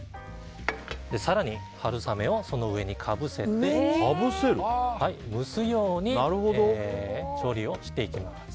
更に春雨をその上にかぶせて蒸すように調理していきます。